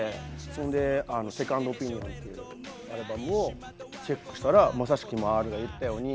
そんで『セカンドオピニオン』ってアルバムをチェックしたらまさしく今Ｒが言ったように。